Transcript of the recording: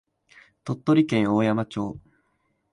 鳥取県大山町